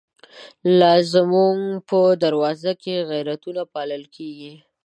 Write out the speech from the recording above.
لازموږ په دروازوکی، غیرتونه پالل کیږی